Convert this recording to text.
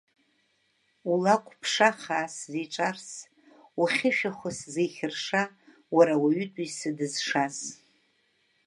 Улакә ԥша хаа сзиҿарс, ухьы шәахәа сзихьырша, уара ауаҩытәыҩса дызшаз!